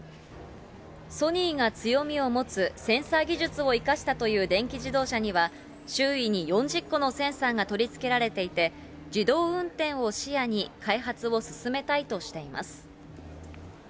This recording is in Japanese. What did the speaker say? ソニーが強みを持つセンサー技術を生かしたという電気自動車には、周囲に４０個のセンサーが取り付けられていて、自動運転を視野に、開発を進めたいとしています。